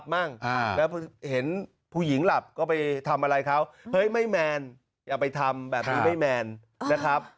มั่งแล้วพอเห็นผู้หญิงหลับก็ไปทำอะไรเขาเฮ้ยไม่แมนอย่าไปทำแบบนี้ไม่แมนนะครับ